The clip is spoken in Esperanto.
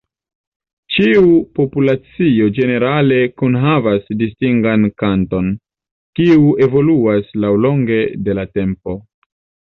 Ĉiu populacio ĝenerale kunhavas distingan kanton, kiu evoluas laŭlonge de la tempo.